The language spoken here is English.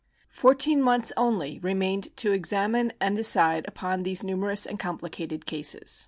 Fourteen months only remained to examine and decide upon these numerous and complicated cases.